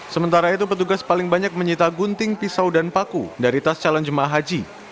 sementara itu petugas paling banyak menyita gunting pisau dan paku dari tas calon jemaah haji